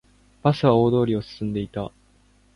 バスは大通りを進んでいた